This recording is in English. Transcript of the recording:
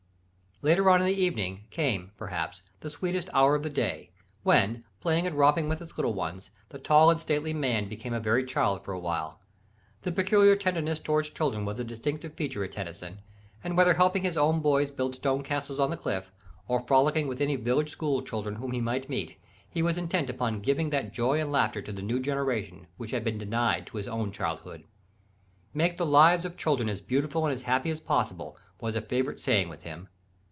_ Later on in the evening, came, perhaps, the sweetest hour of the day, when, playing and romping with his little ones, the tall and stately man became a very child for a while. A peculiar tenderness towards children was a distinctive feature of Tennyson: and whether helping his own boys build stone castles on the cliff, or frolicking with any village school children whom he might meet, he was intent upon giving that joy and laughter to the new generation which had been denied to his own childhood. "Make the lives of children as beautiful and as happy as possible," was a favourite saying with him.